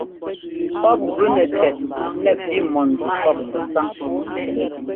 Pɔ́p gʉnɛ tɛt nɛ pi mɔ̂nzu pɔ́p ŋgɛsáŋ.